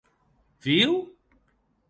Viu?